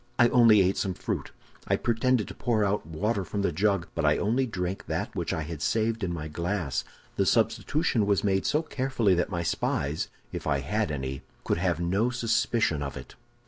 I only ate some fruit. I pretended to pour out water from the jug, but I only drank that which I had saved in my glass. The substitution was made so carefully that my spies, if I had any, could have no suspicion of it.